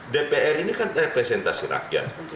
dpr ini kan representasi rakyat